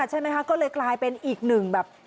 ใช่ไหมคะก็เลยกลายเป็นอีกหนึ่งแบบ